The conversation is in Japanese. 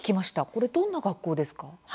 これどんな学校ですか？